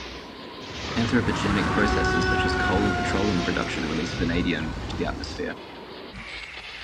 Anthropogenic processes such as coal and petroleum production release vanadium to the atmosphere.